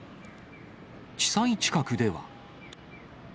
地裁近くでは。